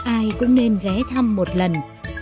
ai cũng nên ghé thăm một lần